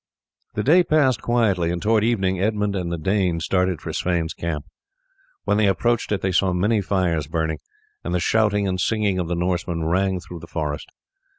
The day passed quietly, and towards evening Edmund and the Dane started for Sweyn's camp. When they approached it they saw many fires burning, and the shouting and singing of the Norsemen rang through the forest.